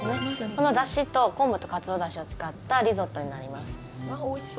そのだしと昆布とカツオだしを使ったリゾットになります。